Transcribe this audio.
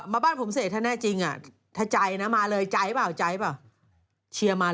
มาบ้านผมเศรษฐ์แน่จริงถ้าใจมาเลยใจกับในบ้านเต้ยเขา